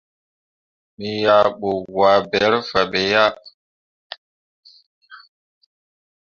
Me yah bu waaberre fah be yah.